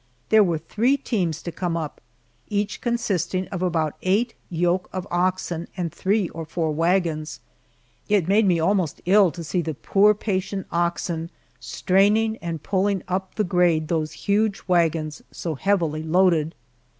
There were three teams to come up, each consisting of about eight yoke of oxen and three or four wagons. It made me almost ill to see the poor patient oxen straining and pulling up the grade those huge wagons so heavily loaded.